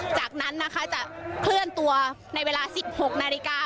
จากนั้นนะคะจะเคลื่อนตัวในเวลา๑๖นาฬิกา